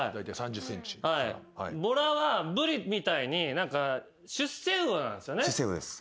ボラはブリみたいに出世魚なんすよね。